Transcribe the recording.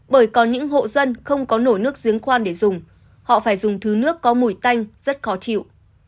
bởi có những hộ dân không có nổi nước giếng khoan để dùng họ phải dùng thứ nước có mùi tanh rất khó chịu